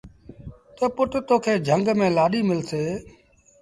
تا پُٽ تو کي جھنگ ميݩ لآڏيٚ ملسي۔